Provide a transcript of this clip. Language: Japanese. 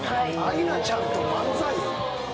アイナちゃんと漫才？